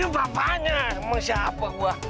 ya bapaknya mau siapa gua